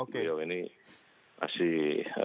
beliau ini masih